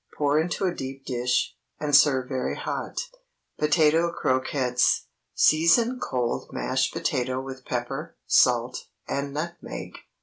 Pour into a deep dish, and serve very hot. POTATO CROQUETTES. ✠ Season cold mashed potato with pepper, salt, and nutmeg.